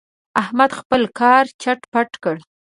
احمد خپل کار چټ پټ کړ.